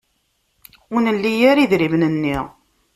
Ur nli ara idrimen-nni.